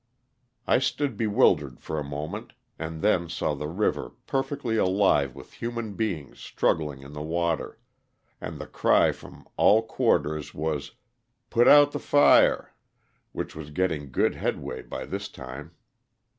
I stood bewildered for a moment, and then saw the river per fectly alive yyith human beings struggling in the water, and the cry from all quarters was "put out the fire," LOSS OF THE SULTAKA. 27 which was getting good headway by this time.